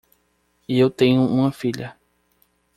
Eu tenho uma filha.